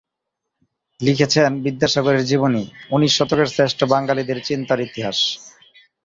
লিখেছেন বিদ্যাসাগরের জীবনী, ঊনিশ শতকের শ্রেষ্ঠ বাঙালিদের চিন্তার ইতিহাস।